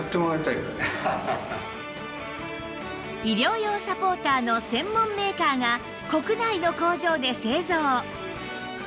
医療用サポーターの専門メーカーが国内の工場で製造